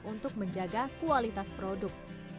untuk menjaga kualitas produk